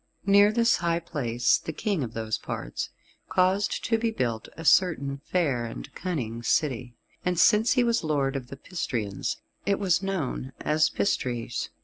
Near this high place the King of those parts caused to be built a certain fair and cunning city, and since he was lord of the Pistrians, it was known as Pistres.